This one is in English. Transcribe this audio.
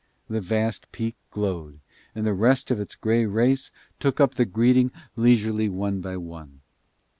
The vast peak glowed, and the rest of its grey race took up the greeting leisurely one by one.